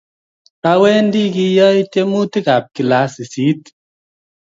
Awendi kiyai twemutik ab kilasit sisit